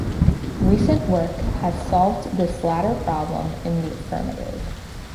Recent work has solved this latter problem in the affirmative.